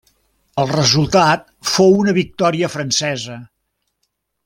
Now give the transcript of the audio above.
El resultat fou una victòria francesa.